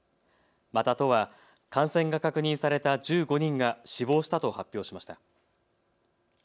また都は感染が確認された１５人が死亡したと発表しました。